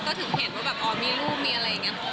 ก็ถึงเห็นว่าแบบอ๋อมีลูกมีอะไรอย่างนี้